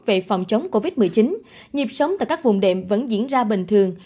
về phòng chống covid một mươi chín nhịp sống tại các vùng đệm vẫn diễn ra bình thường